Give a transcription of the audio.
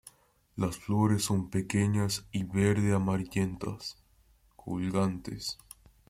Las flores son pequeñas y verde-amarillentas, colgantes.